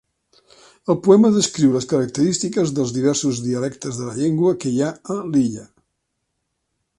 El poema descriu les característiques dels diversos dialectes de la llengua que hi ha a l'illa.